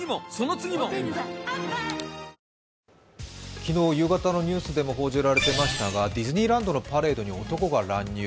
昨日夕方のニュースでも報じられていましたが、ディズニーランドのパレードに男が乱入。